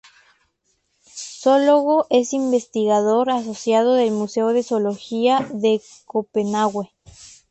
Zoólogo, es investigador asociado del Museo de Zoología de Copenhague.